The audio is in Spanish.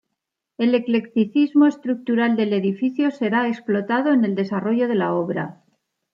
El eclecticismo estructural del edificio será explotado en el desarrollo de la obra.